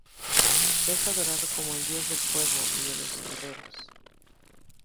Es adorado como el dios del fuego y de los herreros.